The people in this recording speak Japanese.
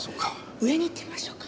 上に行ってみましょうか。